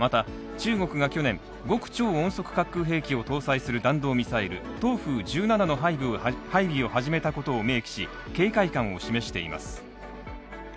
また、中国が去年、極超音速滑空兵器を搭載する弾道ミサイル東風１７の配備を始めたことを明記し、警戒感を示しています。